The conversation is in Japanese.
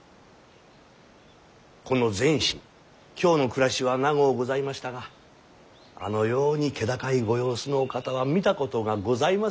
この善信京の暮らしは長うございましたがあのように気高いご様子のお方は見たことがございませぬ。